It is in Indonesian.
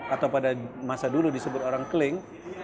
atau pada masa dulu disebut orang keling